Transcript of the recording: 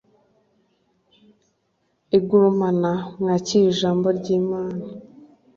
igurumana, mwakire ijambo ry'imana